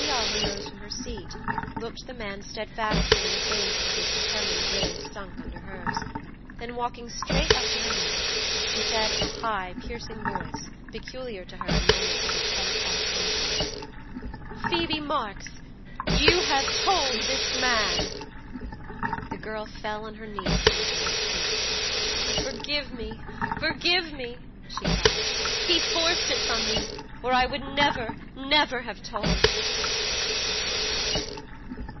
Lady Audley rose from her seat, looked the man steadfastly in the face till his determined gaze sunk under hers; then walking straight up to her maid, she said in a high, piercing voice, peculiar to her in moments of intense agitation: "Phoebe Marks, you have told this man!" The girl fell on her knees at my lady's feet. "Oh, forgive me, forgive me!" she cried. "He forced it from me, or I would never, never have told!"